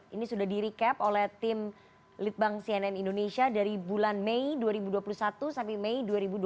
ini sudah di recap oleh tim litbang cnn indonesia dari bulan mei dua ribu dua puluh satu sampai mei dua ribu dua puluh